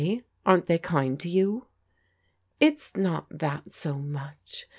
Aren't they kind to you?" " It's not that so much.